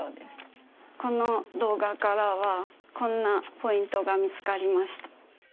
この動画からはこんなポイントが見つかりました。